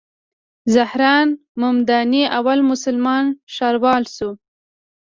زهران ممداني اول مسلمان ښاروال شو.